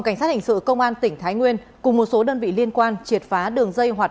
cảnh sát hình sự công an tỉnh thái nguyên cùng một số đơn vị liên quan triệt phá đường dây hoạt